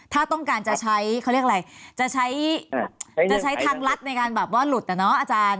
ถ้าต้องการจะใช้เขาเรียกอะไรจะใช้จะใช้ทางรัฐในการแบบว่าหลุดอ่ะเนาะอาจารย์